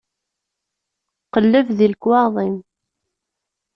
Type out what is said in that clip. Qelleb deg lekwaɣeḍ-im.